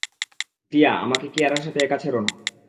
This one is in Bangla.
টিয়া, আমাকে কিয়ারার সাথে একা ছেড়ো না।